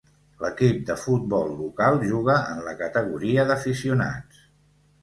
L'equip de futbol local juga en la categoria d'aficionats.